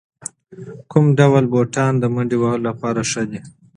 کوم ډول بوټان د منډې وهلو لپاره ښه دي؟